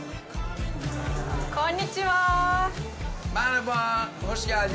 こんにちは。